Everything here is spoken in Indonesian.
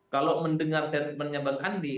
kalau mendengar statementnya bang andi